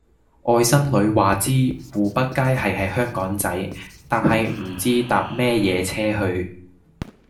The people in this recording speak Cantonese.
外甥女話知湖北街係喺香港仔但係唔知搭咩野車去